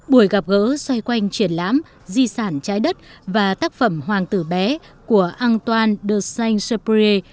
buổi gặp gỡ xoay quanh triển lãm di sản trái đất và tác phẩm hoàng tử bé của antoine de saint supré